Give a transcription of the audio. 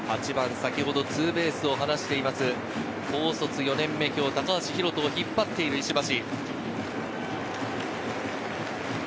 ８番、先ほどツーベースを放っている高卒４年目、今日、高橋宏斗を引っ張っている石橋。